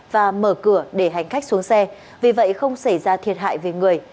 và mở cửa để hành khách xuống xe vì vậy không xảy ra thiệt hại về người